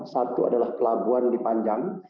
satu adalah pelabuhan di panjang